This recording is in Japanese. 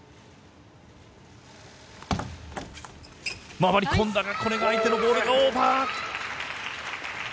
回り込んだがこれが相手のボール、オーバー。